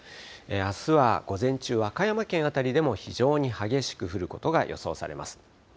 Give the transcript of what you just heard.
あすは午前中、和歌山県辺りでも非常に激しく降ることが予想されます。